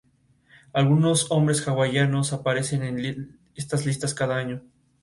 Al año siguiente, Johnson y los Sonics se tomarían la revancha.